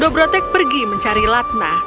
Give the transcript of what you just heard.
dobrotek pergi mencari latna